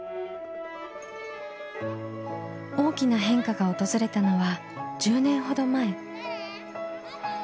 大きな変化が訪れたのは１０年ほど前。